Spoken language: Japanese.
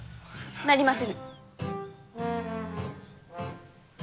なりませぬ！